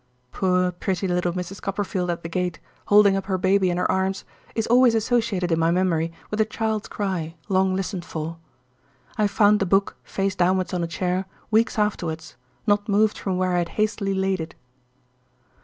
Poor, pretty little Mrs. Copperfield at the gate, holding up her baby in her arms, is always associated in my memory with a child's cry, long listened for. I found the book, face downwards on a chair, weeks afterwards, not moved from where I had hastily laid it.